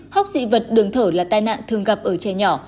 hốc dị vật đường thở là tai nạn thường gặp ở trẻ nhỏ